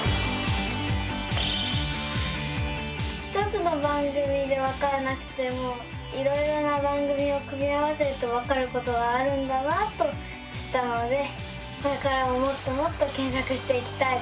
１つの番組でわからなくてもいろいろな番組を組み合わせるとわかることがあるんだなと知ったのでこれからももっともっと検索していきたいです。